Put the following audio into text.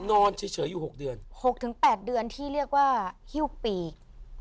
นอนเฉยเฉยอยู่หกเดือนหกถึงแปดเดือนที่เรียกว่าหิ้วปีก